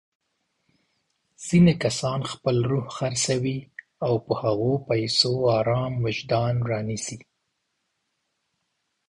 ځيني کسان خپل روح خرڅوي او په هغو پيسو ارام وجدان رانيسي.